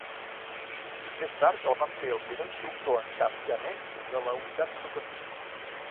Més tard el van fer el primer instructor en cap ghanès de la Unitat Educativa.